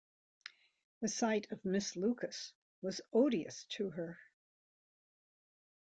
The sight of Miss Lucas was odious to her.